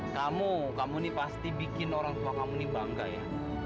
kamu kamu ini pasti bikin orang tua kamu ini bangga ya